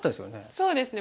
そうですね。